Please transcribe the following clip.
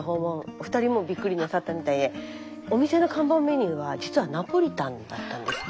お二人もビックリなさったみたいでお店の看板メニューは実はナポリタンだったんです。